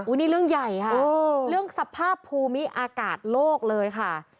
นี่เรื่องใหญ่ค่ะเรื่องสภาพภูมิอากาศโลกเลยค่ะ